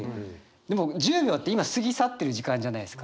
でも１０秒って今過ぎ去ってる時間じゃないですか。